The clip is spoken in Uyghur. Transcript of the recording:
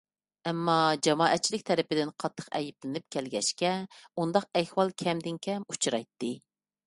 ئەمما، جامائەتچىلىك تەرىپىدىن قاتتىق ئەيىبلىنىپ كەلگەچكە، ئۇنداق ئەھۋال كەمدىن كەم ئۇچرايتتى.